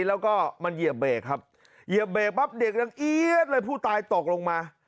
แล้วก็มันเหยียบเบรกครับเหยียบเบรกปั๊บเด็กยังเอี๊ยดเลยผู้ตายตกลงมา